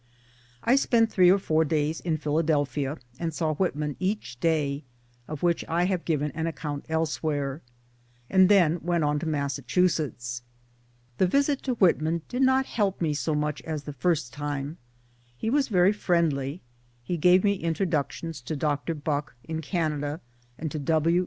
I spent three or four days in Philadelphia and saw Whitman each day (of which I have given an account elsewhere I ); and then went on to Massachusetts. The visit to Whitman did not help me so much as the first time. He was very friendly ; he gave me u ^ introductions to Dr. Bucke in Canada, and to W.